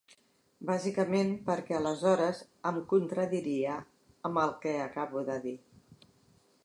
Bàsicament perquè aleshores em contradiria amb el que acabo de dir.